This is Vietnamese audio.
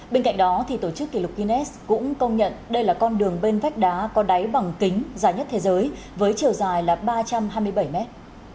bên cạnh đó tổ chức kỷ lục guinness cũng công nhận đây là con đường bên vách đá có đáy bằng kính dài nhất thế giới với chiều dài là ba trăm hai mươi bảy mét